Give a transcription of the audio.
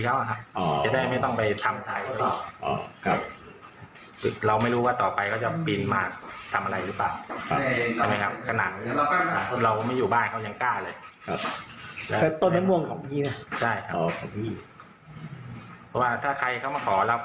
เพราะว่าถ้าใครเขามาขอเราเขาก็แค่สอยธรรมดาลูกสองลูกใช่ไหมครับ